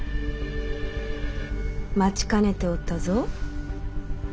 待ちかねておったぞ。